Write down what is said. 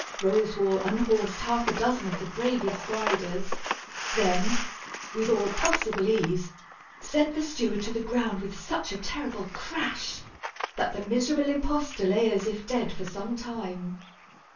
Roswal unhorsed half a dozen of the bravest riders, then, with all possible ease, sent the steward to the ground with such a terrible crash, that the miserable impostor lay as if dead for some time.